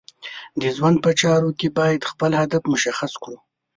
د ژوند په چارو کې باید خپل هدف مشخص کړو.